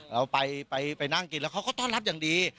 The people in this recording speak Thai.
เราไปนั่งกินแล้วเขาก็ต้อนรับอย่างดี